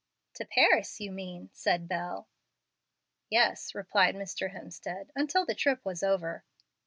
"To Paris, you mean," said Bel. "Yes," replied Mr. Hemstead, "until the trip was over."